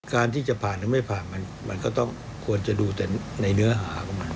การที่จะผ่านหรือไม่ผ่านมันก็ต้องควรจะดูแต่ในเนื้อหาของมัน